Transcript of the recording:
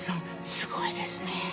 すごいですね。